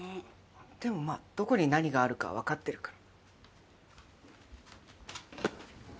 でもまぁどこに何があるかわかってるから。